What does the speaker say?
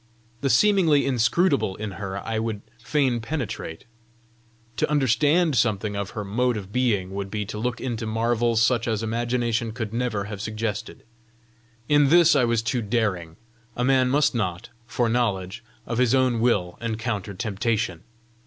The seemingly inscrutable in her I would fain penetrate: to understand something of her mode of being would be to look into marvels such as imagination could never have suggested! In this I was too daring: a man must not, for knowledge, of his own will encounter temptation!